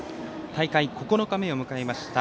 大会９日目を迎えました